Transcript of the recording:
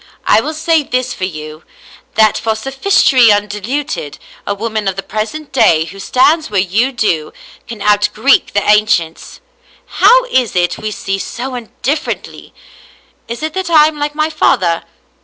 I will say this for you — that for sophistry undiluted, a woman of the present day who stands where you do, can out Greek the ancients. How is it we see so differ ently ? Is it that I am like my father?